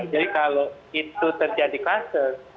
jadi kalau itu terjadi klaster